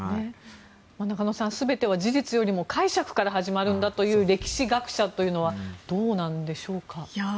中野さん全ては事実よりも解釈から始まるんだという歴史学者はどうなんでしょうか。